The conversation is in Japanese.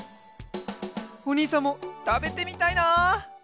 おにいさんもたべてみたいな！